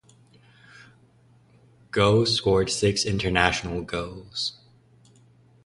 Gough scored six international goals.